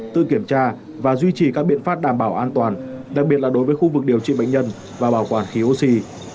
tự kiểm tra và duy trì các biện pháp đảm bảo an toàn đặc biệt là đối với khu vực điều trị bệnh nhân và bảo quản khí oxy